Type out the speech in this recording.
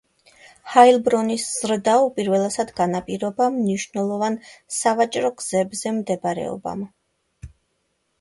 ჰაილბრონის ზრდა უპირველესად განაპირობა მნიშვნელოვან სავაჭრო გზებზე მდებარეობამ.